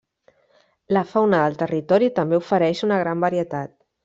La fauna del territori també ofereix una gran varietat.